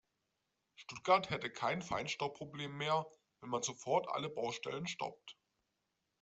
Stuttgart hätte kein Feinstaubproblem mehr, wenn man sofort alle Baustellen stoppt.